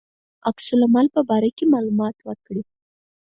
عکس العمل په باره کې معلومات ورکړي.